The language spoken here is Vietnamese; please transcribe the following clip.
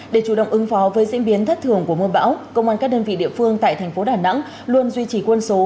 để chủ động ứng phó với diễn biến thất thường của mưa bão công an các đơn vị địa phương tại thành phố đà nẵng luôn duy trì quân số